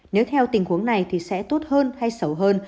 nếu theo tình huống này thì sẽ tốt hơn hay xấu hơn